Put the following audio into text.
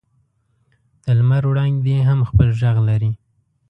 د لمر وړانګې هم خپل ږغ لري.